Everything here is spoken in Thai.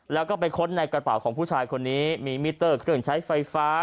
แล้วก็ไปค้นในกระเป๋าของผู้ชายคนนี้มีมิเตอร์เครื่องใช้ไฟฟ้า